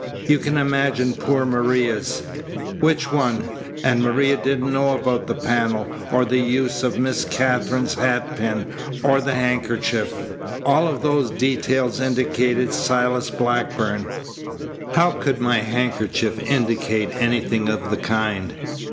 You can imagine poor Maria's. Which one? And Maria didn't know about the panel, or the use of Miss Katherine's hat pin, or the handkerchief. All of those details indicated Silas Blackburn." "How could my handkerchief indicate anything of the kind?"